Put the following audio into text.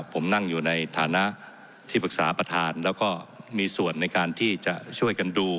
ผมนั่งอยู่ในฐานะที่ปรึกษาประธานแล้วก็มีส่วนในการที่จะช่วยกันดู